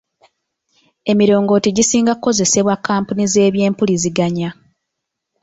Emirongooti gisinga kukozesebwa kkampuni z'ebyempuliziganya.